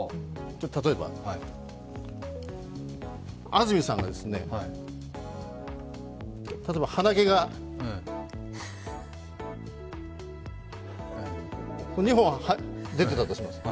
例えば、安住さんが鼻毛が２本出てたとします。